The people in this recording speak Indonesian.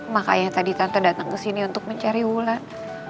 makanya tadi tante datang kesini untuk mencari wulan